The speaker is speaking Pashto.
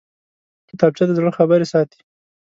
کتابچه د زړه خبرې ساتي